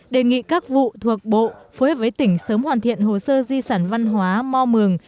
đề nghị các vụ thuộc bộ phối hợp với tỉnh sớm hoàn thiện hồ sơ di sản văn hóa mò mường